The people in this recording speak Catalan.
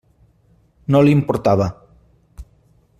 No li importava.